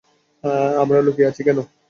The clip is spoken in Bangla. আমরা লুকিয়ে আছি কেন?